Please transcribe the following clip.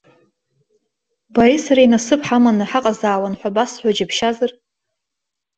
Бареи сареи насыԥ ҳаманы ҳаҟазаауан ҳәа басҳәо џьыбшьазар?